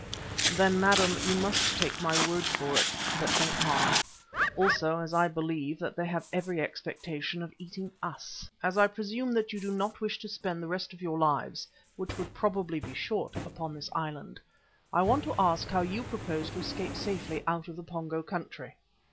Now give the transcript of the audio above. "Then, madam, you must take my word for it that they are; also, as I believe, that they have every expectation of eating us. Now, as I presume that you do not wish to spend the rest of your lives, which would probably be short, upon this island, I want to ask how you propose to escape safely out of the Pongo country?"